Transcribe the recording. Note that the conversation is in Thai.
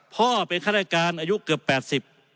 พ่อเป็นค้นใดการอายุเกือบ๘๐